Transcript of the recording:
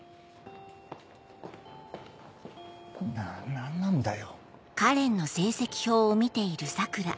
何なんだよ。